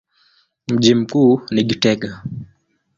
Mji mkuu ni Gitega.